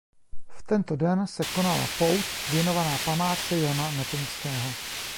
V tento den se konala pouť věnovaná památce Jana Nepomuckého.